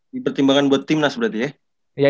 dipertimbangkan buat timnas berarti ya